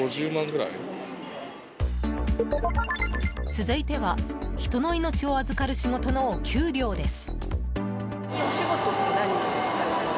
続いては人の命を預かる仕事のお給料です。